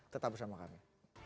tetap bersama kami